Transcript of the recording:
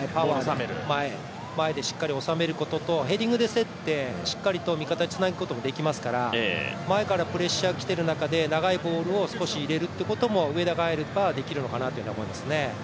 前でしっかりおさめることとヘディングで競ってしっかりと味方につなぐことができますから長いボールを少し入れるということも上田が入ればできるのかなと思いますね。